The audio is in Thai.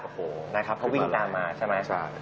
โอ้โหเค้าวิ่งตามมาใช่มั้ย